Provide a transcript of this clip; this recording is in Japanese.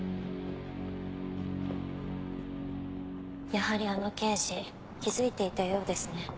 やはりあの刑事気付いていたようですね。